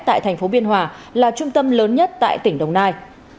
tại tp biên hòa là trung tâm lớn nhất tại tỉnh đồng nai